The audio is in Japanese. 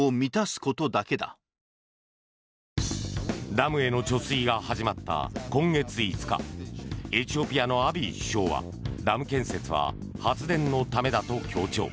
ダムへの貯水が始まった今月５日エチオピアのアビー首相はダム建設は発電のためだと強調。